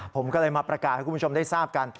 ผมก็เลยมาประกาศให้คุณผู้ชมได้ทราบกัน